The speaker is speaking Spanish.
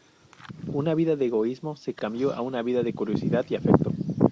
Una vida de egoísmo se cambió a una vida de curiosidad y afecto.